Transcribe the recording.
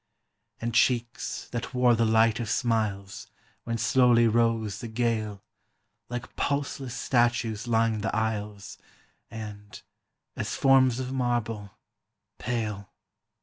And cheeks that wore the light of smiles When slowly rose the gale, Like pulseless statues lined the aisles And, as forms of marble, pale.